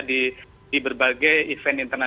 di berbagai event itu